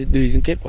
đi đến kết quả